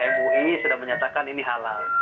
mui sudah menyatakan ini halal